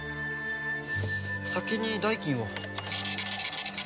先に代金を。